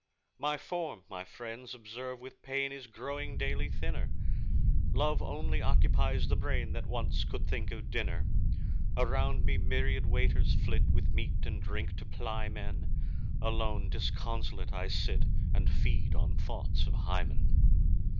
My form, my friends observe with pain, Is growing daily thinner. Love only occupies the brain That once could think of dinner. Around me myriad waiters flit, With meat and drink to ply men; Alone, disconsolate, I sit, And feed on thoughts of Hymen.